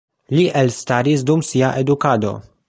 Li elstaris dum sia edukado.